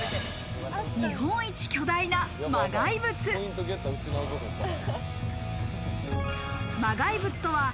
日本一巨大な磨崖仏。